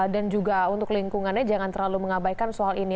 dan juga untuk lingkungannya jangan terlalu mengabaikan soal ini